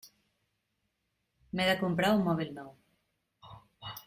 M'he de comprar un mòbil nou.